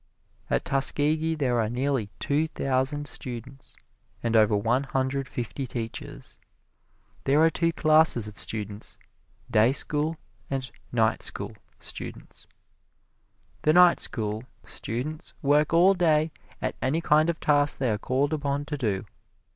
At Tuskegee there are nearly two thousand students, and over one hundred fifty teachers. There are two classes of students "day school" and "night school" students. The night school students work all day at any kind of task they are called upon to do.